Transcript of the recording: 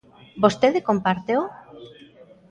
¿Vostede compárteo?